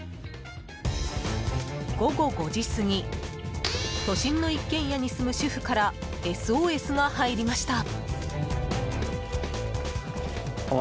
午後５時過ぎ都心の一軒家に住む主婦からＳＯＳが入りました。